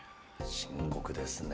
深刻ですね。